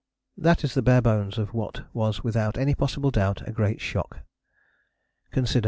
" That is the bare bones of what was without any possible doubt a great shock. Consider!